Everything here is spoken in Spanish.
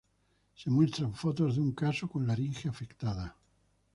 Se muestran fotos de un caso con laringe afectada